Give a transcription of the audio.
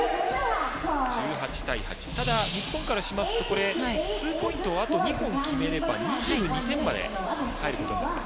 １８対８ただ日本からしますとツーポイントをあと２本決めれば２２点まで入ることになります。